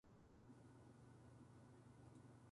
私の強みは、目標達成に向けた課題解決能力です。